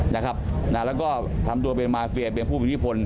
และก็ทำตัวเป็นมาเฟียร์เป็นผู้ผิดที่ผล